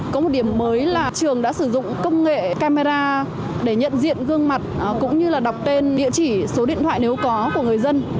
có một điểm mới là trường đã sử dụng công nghệ camera để nhận diện gương mặt cũng như là đọc tên địa chỉ số điện thoại nếu có của người dân